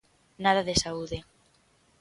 Nada de saúde.